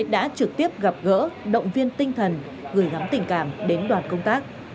đã trực tiếp gặp gỡ động viên tinh thần gửi ngắm tình cảm đến đoàn công tác